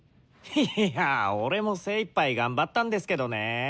いや俺も精いっぱい頑張ったんですけどね。